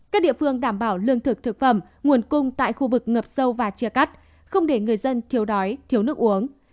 các địa phương đảm bảo lương thực thực phẩm nguồn cung tại khu vực ngập sâu và chia cắt không để người dân thiếu đói thiếu nước uống